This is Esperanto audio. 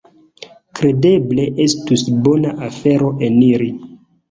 Kredeble estus bona afero eniri.